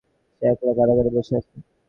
সে একলা কারাগারে বসিয়া আছে?